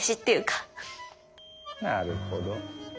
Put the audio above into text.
なるほど。